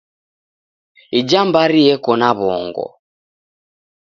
Ija mbari eko na w'ongo.